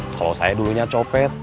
kalau saya dulunya copet